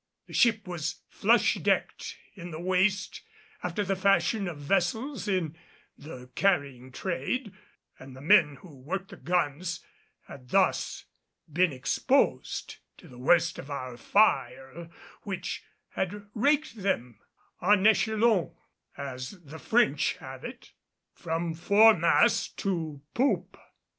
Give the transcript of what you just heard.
The ship was flush decked in the waist, after the fashion of vessels in the carrying trade, and the men who worked the guns had thus been exposed to the worst of our fire which had raked them en echelon as the French have it from foremast to poop.